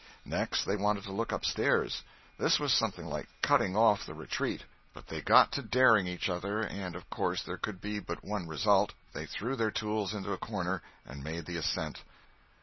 Next they wanted to look upstairs. This was something like cutting off retreat, but they got to daring each other, and of course there could be but one result—they threw their tools into a corner and made the ascent.